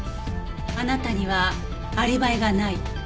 あなたにはアリバイがない。